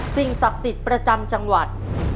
สิ่งศักดิ์สิทธิ์ประจำจังหวัด